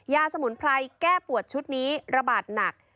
สมุนไพรแก้ปวดชุดนี้ระบาดหนัก